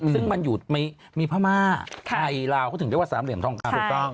ซึ่งมันอยู่มีพม่าไทยลาวเขาถึงเรียกว่าสามเหลี่ยมทองคำถูกต้อง